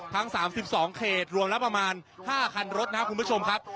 ทั้ง๓๒เขตรวมแล้วประมาณ๕คันรถนะครับคุณผู้ชมครับ